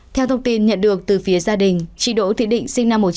theo thông tin nhận được từ phía gia đình chị đỗ thị định sinh năm một nghìn chín trăm tám mươi